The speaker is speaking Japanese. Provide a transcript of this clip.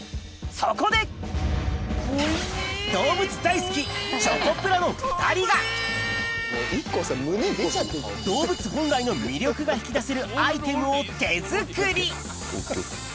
そこで動物大好き動物本来の魅力が引き出せるアイテムを手作り